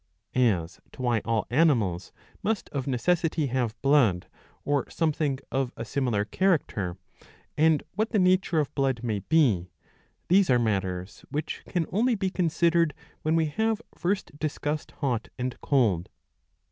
As to why all animals must of necessity have blood or some thing of a similar character, and what the nature of blood may be, these are matters which can only be considered, when we have first discussed hot and cold.